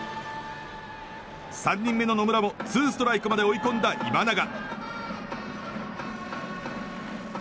３人目の野村もツーストライクまで追い込んだ今永。